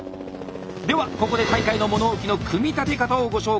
ではここで大会の物置の組み立て方をご紹介しましょう。